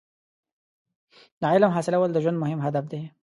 • د علم حاصلول د ژوند مهم هدف دی.